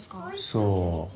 そう。